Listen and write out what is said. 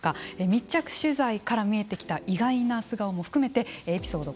密着取材から見えてきた意外な素顔も含めてエピソード